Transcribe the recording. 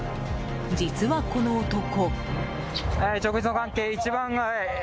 実はこの男。